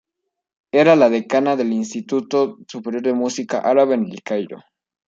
Era la decana del Instituto Superior de Música árabe en El Cairo.